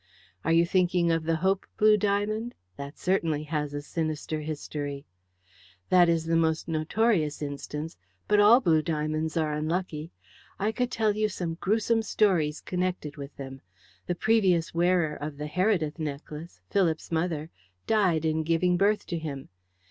"Are you thinking of the Hope blue diamond? That certainly has a sinister history." "That is the most notorious instance. But all blue diamonds are unlucky. I could tell you some gruesome stories connected with them. The previous wearer of the Heredith necklace Philip's mother died in giving birth to him.